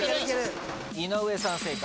井上さん正解。